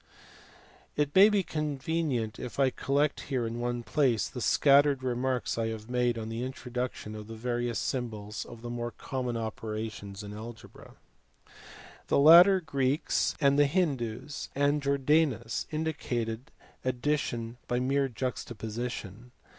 It may be convenient if I collect here in one place the scattered remarks I have made on the introduction of the various symbols for the more common operations in algebra*. The later Greeks (see p. 106), the Hindoos (see p. 159), and Jordanus (see p. 178) indicated addition by mere juxtaposition.